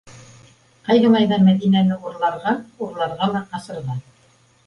Ҡайһылай ҙа Мәҙинәне урларға, урларға ла ҡасырға!